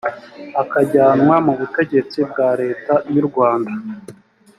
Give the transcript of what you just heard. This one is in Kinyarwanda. akajyanwa mu butegetsi bwa leta y’u rwanda